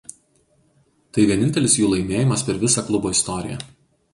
Tai vienintelis jų laimėjimas per visą klubo istoriją.